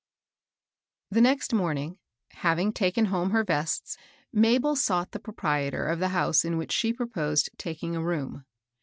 HE next morning, having taken home her vests, Mabel sought the proprietor of the house, in which she proposed taking a room.